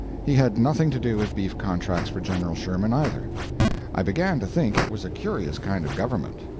He had nothing to do with beef contracts for General Sherman, either. I began to think it was a curious kind of government.